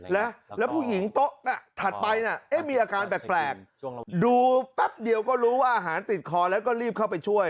แล้วผู้หญิงโต๊ะถัดไปน่ะเอ๊ะมีอาการแปลกดูแป๊บเดียวก็รู้ว่าอาหารติดคอแล้วก็รีบเข้าไปช่วย